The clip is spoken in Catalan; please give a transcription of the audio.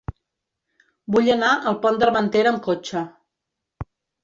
Vull anar al Pont d'Armentera amb cotxe.